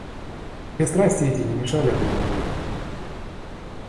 Две страсти эти не мешали одна другой.